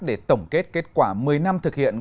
để tổng kết kết quả một mươi năm thực hiện